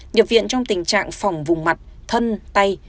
nhập viện trong tình trạng phòng vùng mặt thân tay